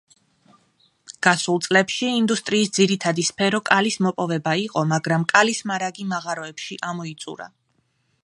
გასულ წლებში, ინდუსტრიის ძირითადი სფერო კალის მოპოვება იყო, მაგრამ კალის მარაგი მაღაროებში ამოიწურა.